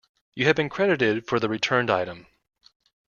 You have been credited for the returned item.